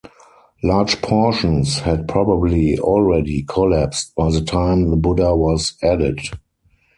Large portions had probably already collapsed by the time the Buddha was added.